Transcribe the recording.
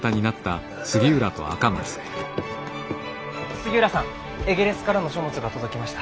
杉浦さんエゲレスからの書物が届きました。